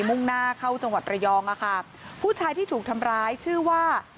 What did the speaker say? มุ่งหน้าเข้าจังหวัดระยองอ่ะค่ะผู้ชายที่ถูกทำร้ายชื่อว่า